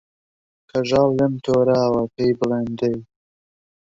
کەژاڵ لێم تۆراوە پێی بڵێن دەی